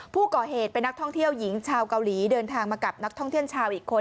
ผู้ก่อเหตุเป็นนักท่องเที่ยวหญิงชาวเกาหลีเดินทางมากับนักท่องเที่ยวชาวอีกคน